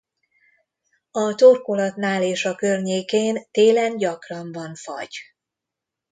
A torkolatnál és a környékén télen gyakran van fagy.